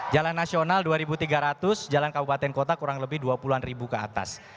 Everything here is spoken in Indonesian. jalan nasional dua ribu tiga ratus jalan kabupaten kota kurang lebih dua puluh an ribu ke atas